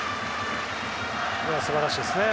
素晴らしいですね。